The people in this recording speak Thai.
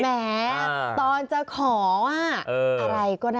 แม้ตอนจะขออะไรก็ได้